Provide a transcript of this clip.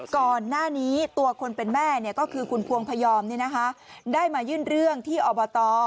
ก่อนหน้านี้ตัวคนเป็นแม่ก็คือคุณพวงพยอมได้มายื่นเรื่องที่อบต